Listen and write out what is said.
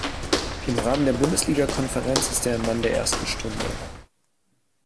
Im Rahmen der Bundesliga-Konferenz ist er ein Mann der ersten Stunde.